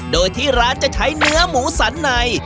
โดยที่ร้านจะใช้เนื้อหมูสันใน